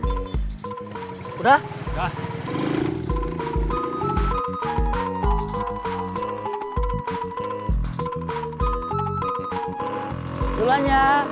sebagai tukang tanda barang curian